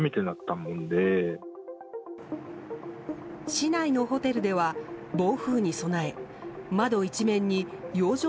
市内のホテルでは、暴風に備え窓一面に養生